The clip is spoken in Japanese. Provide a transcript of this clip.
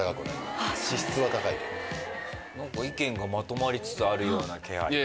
なんか意見がまとまりつつあるような気配。